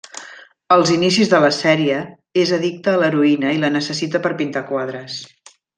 Als inicis de la sèrie és addicte a l'heroïna i la necessita per pintar quadres.